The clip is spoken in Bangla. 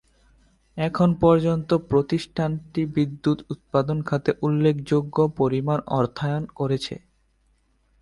এখন পর্যন্ত প্রতিষ্ঠানটি বিদ্যুৎ উৎপাদন খাতে উল্লেখযোগ্য পরিমাণ অর্থায়ন করেছে।